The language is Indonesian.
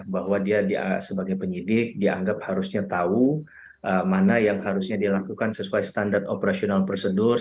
bahwa dia sebagai penyidik dianggap harusnya tahu mana yang harusnya dilakukan sesuai standar operasional prosedur